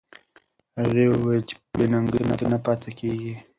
هغې وویل چې بې ننګۍ ته نه پاتې کېږي.